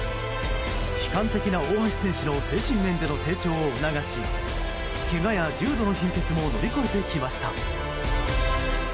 基幹的な大橋選手の精神面での成長を促しけがや重度の貧血も乗り越えてきました。